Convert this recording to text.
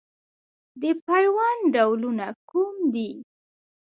د پیوند ډولونه کوم دي؟